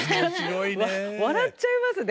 笑っちゃいますね。